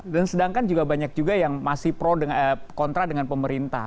sedangkan juga banyak juga yang masih pro kontra dengan pemerintah